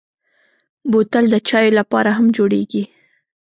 بوتل د چايو لپاره هم جوړېږي.